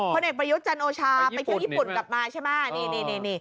เอกประยุทธ์จันโอชาไปเที่ยวญี่ปุ่นกลับมาใช่ไหม